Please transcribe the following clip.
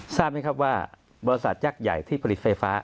ทราบไหมครับว่าบริษัทยักษ์ใหญ่ที่ผลิตไฟฟ้า